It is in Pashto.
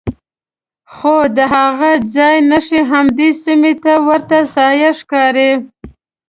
خو د هغه ځای نښې همدې سیمې ته ورته ساحه ښکاري.